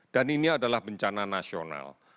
dan ini adalah bencana nasional